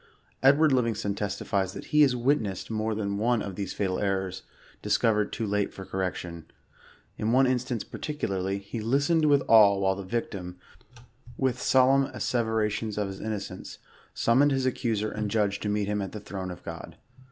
Edward Livingston testifies that he has witnessed more than one of these fatal errors, discovered too late for correction. In one instance particularly, he " listened with awe" while the victim, with solemn asseverations of his innocence, '^summoned his accuser and judge to meet him a.t the throne of God."